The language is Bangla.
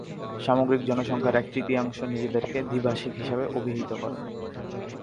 সামগ্রিক জনসংখ্যার এক তৃতীয়াংশ নিজেদেরকে দ্বিভাষিক হিসাবে অভিহিত করে।